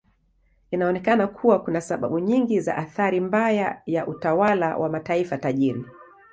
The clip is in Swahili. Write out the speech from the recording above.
Inaonekana kuwa kuna sababu nyingi za athari mbaya ya utawala wa mataifa tajiri.